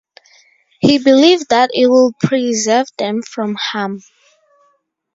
He believed that it would preserve them from harm.